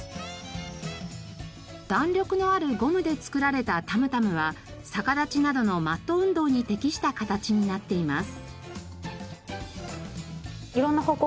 弾力のあるゴムで作られたタムタムは逆立ちなどのマット運動に適した形になっています。